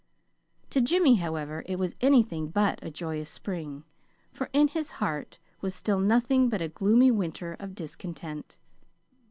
To Jimmy, however, it was anything but a joyous spring, for in his heart was still nothing but a gloomy winter of discontent.